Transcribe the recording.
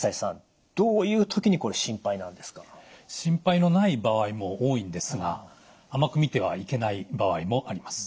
心配のない場合も多いんですが甘く見てはいけない場合もあります。